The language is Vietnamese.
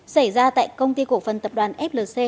xảy ra tại công ty cổ phần tập đoàn flc